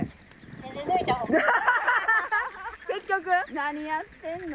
何やってんの。